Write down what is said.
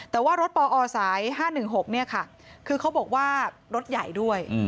แต่ว่ารถปอสาย๕๑๖เนี่ยค่ะคือเขาบอกว่ารถใหญ่ด้วย